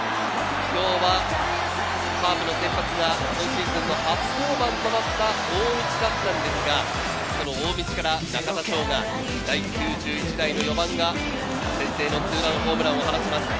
今日はカープの先発が今シーズン初登板となった大道だったんですが、その大道から、中田翔が第９１代の４番が先制のツーランホームランを放ちました。